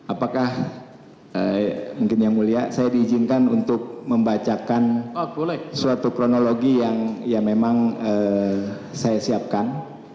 apakah mungkin yang mulia saya diizinkan untuk membacakan suatu kronologi yang ya memang saya siapkan